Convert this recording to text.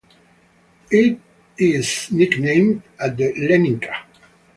It is nicknamed the Leninka.